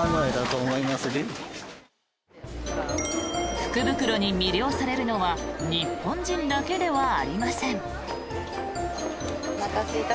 福袋に魅了されるのは日本人だけではありません。